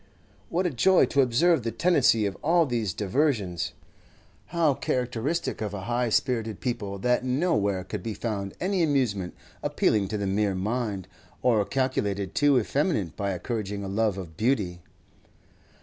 What a joy to observe the tendency of all these diversions! How characteristic of a high spirited people that nowhere could be found any amusement appealing to the mere mind, or calculated to effeminate by encouraging a love of beauty.